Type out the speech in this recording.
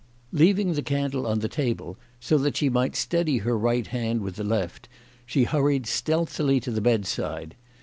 Leaving the candle on the table so that she might steady her right hand with the left, she hurried stealthily to the bedside.